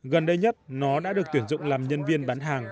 gần đây nhất nó đã được tuyển dụng làm nhân viên bán hàng